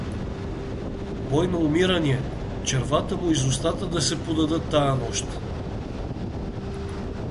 — Бой на умирание, червата му из устата да се подадат тая нощ!